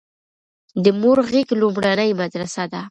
د مور غيږ لومړنۍ مدرسه ده